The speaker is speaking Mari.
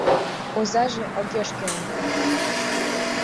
Озаже огеш кӧнӧ.